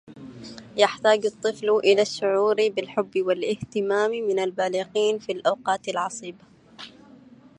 يحتاج الطفل إلى الشعور بالحب والاهتمام من البالغين في الأوقات العصيبة.